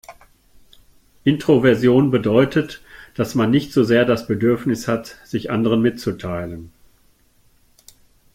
Introversion bedeutet, dass man nicht so sehr das Bedürfnis hat, sich anderen mitzuteilen.